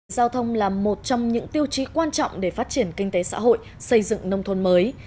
giao thông là một trong những tiêu chí quan trọng để phát triển kinh tế xã hội xây dựng nông thôn mới